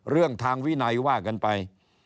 เรื่องทางวินัยว่ากันไป